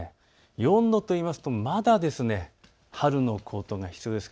４度というと、まだ春のコートが必要です。